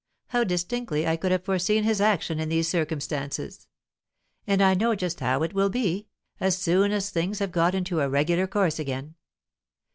How distinctly I could have foreseen his action in these circumstances! And I know just how it will be, as soon as things have got into a regular course again.